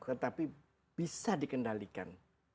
tetapi bisa dikendalikan